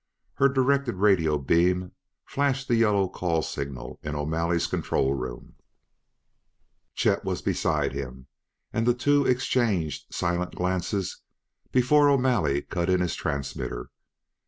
Her directed radio beam flashed the yellow call signal in O'Malley's control room. Chet was beside him, and the two exchanged silent glances before O'Malley cut in his transmitter.